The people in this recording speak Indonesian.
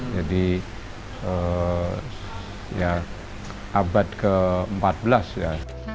jadi abad ke empat belas ya